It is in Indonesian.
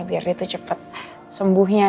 biar dia tuh cepet sembuhnya